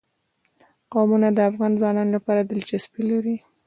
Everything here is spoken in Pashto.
قومونه د افغان ځوانانو لپاره دلچسپي لري.